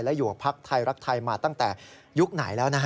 และอยู่กับพักไทยรักไทยมาตั้งแต่ยุคไหนแล้วนะฮะ